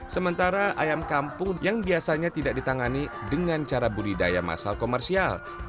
sementara ayam kampung yang biasanya tidak ditangani dengan cara budidaya masal komersial